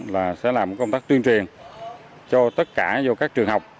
là sẽ làm công tác truyền truyền cho tất cả các trường học